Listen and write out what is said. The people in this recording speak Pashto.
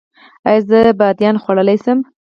ایا زه بادیان خوړلی شم؟